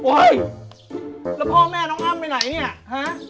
แล้วพ่อแม่น้องอ้ำไปไหนเนี่ยฮะ